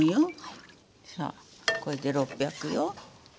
さあこれで６００よ。